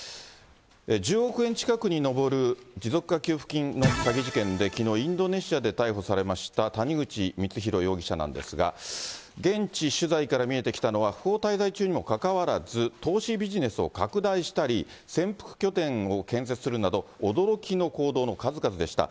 １０億円近くに上る持続化給付金の詐欺事件で、きのう、インドネシアで逮捕されました、谷口光弘容疑者なんですが、現地取材から見えてきたのは、不法滞在中にもかかわらず、投資ビジネスを拡大したり、潜伏拠点を建設するなど、驚きの行動の数々でした。